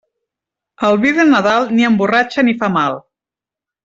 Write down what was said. El vi de Nadal ni emborratxa ni fa mal.